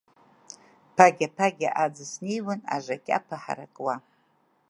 Ԥагьа-ԥагьа аӡыс неиуан, ажакьапа ҳаракуа…